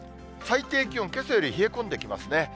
最低気温、けさより冷え込んできますね。